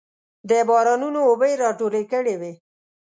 د بارانونو اوبه یې راټولې کړې وې.